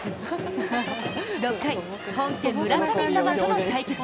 ６回、本家村神様との対決。